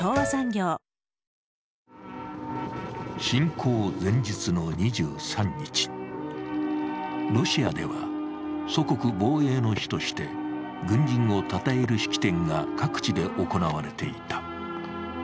侵攻前日の２３日、ロシアでは祖国防衛の日として軍人をたたえる式典が各地で行われていた。